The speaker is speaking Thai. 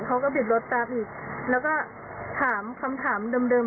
เขาก็บิดรถตามอีกแล้วก็ถามคำถามเดิม